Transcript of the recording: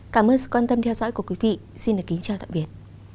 cảm ơn sự quan tâm theo dõi của quý vị xin được kính chào tạm biệt